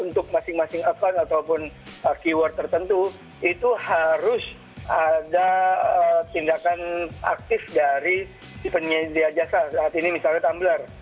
untuk masing masing account ataupun keyword tertentu itu harus ada tindakan aktif dari penyedia jasa saat ini misalnya tumbler